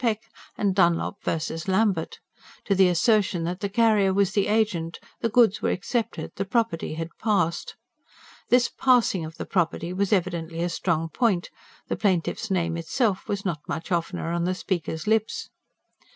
Peck and Dunlop V. Lambert; to the assertion that the carrier was the agent, the goods were accepted, the property had "passed." This "passing" of the property was evidently a strong point; the plaintiff's name itself was not much oftener on the speaker's lips.